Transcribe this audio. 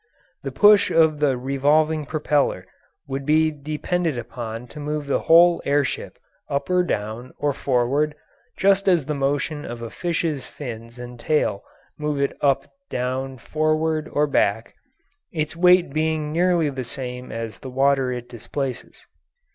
The push of the revolving propeller would be depended upon to move the whole air ship up or down or forward, just as the motion of a fish's fins and tail move it up, down, forward, or back, its weight being nearly the same as the water it displaces.